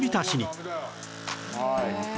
はい。